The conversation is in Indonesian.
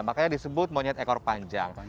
makanya disebut monyet ekor panjang